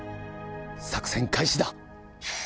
作戦開始だ。